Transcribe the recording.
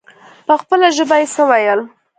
په خپله ژبه يې څه ويل.